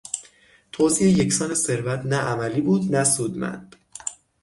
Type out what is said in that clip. توزیع یکسان ثروت نه عملی بود نه سودمند.